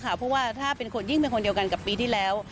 เพราะว่าถ้าเป็นคนยิ่งเป็นคนเดียวกันกับปีที่แล้ว